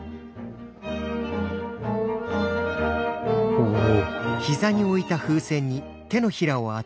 おお。